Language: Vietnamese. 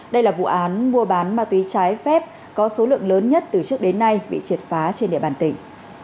đây là vụ án mua bán ma túy trái phép có số lượng lớn nhất từ trước đến nay bị triệt phá trên địa bàn tỉnh